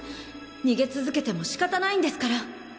逃げ続けても仕方ないんですから！